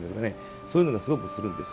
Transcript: そういうのが、すごくするんです。